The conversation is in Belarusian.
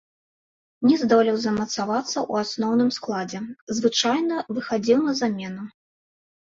Не здолеў замацавацца ў асноўным складзе, звычайна выхадзіў на замену.